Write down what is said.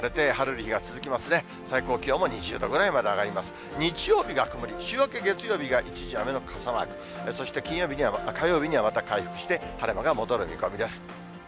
日曜日が曇り、週明け月曜日が一時雨の傘マーク、そして火曜日にはまた回復して、晴れ間が戻る見込みです。